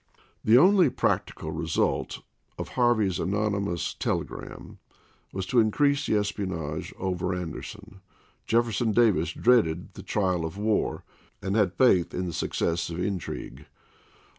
^ The only practical result of Harvey's anonymous telegram was to increase the espionage over An derson. Jefferson Davis dreaded the trial of war, and had faith in the success of intrigue.